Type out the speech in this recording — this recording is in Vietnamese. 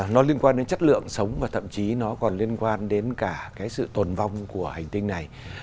nó liên quan đến chất lượng sống và thậm chí nó còn liên quan đến cả cái sự tồn vong của hành tinh này